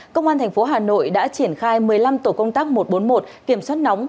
công an thành phố hà nội đã triển khai một mươi năm tổ công tác một trăm bốn mươi một kiểm soát nóng